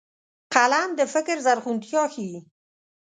قلم د فکر زرغونتيا ښيي